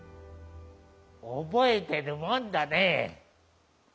覚えてるもんだね。